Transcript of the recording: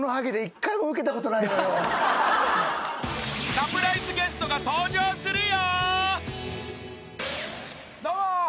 ［サプライズゲストが登場するよ］